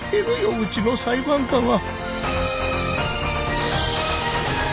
うちの裁判官は